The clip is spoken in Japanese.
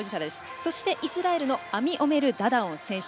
そしてイスラエルのアミオメル・ダダオン選手。